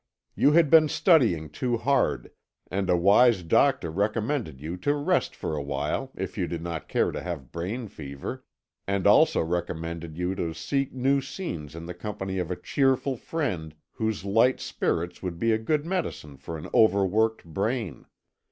You had been studying too hard, and a wise doctor recommended you to rest a while, if you did not care to have brain fever, and also recommended you to seek new scenes in the company of a cheerful friend whose light spirits would be a good medicine for an overworked brain.